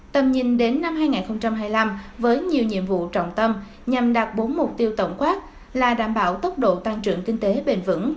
tầm nhìn đến năm hai nghìn hai mươi năm với nhiều nhiệm vụ trọng tâm nhằm đạt bốn mục tiêu tổng quát là đảm bảo tốc độ tăng trưởng kinh tế bền vững